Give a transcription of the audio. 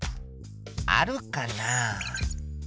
あるかな？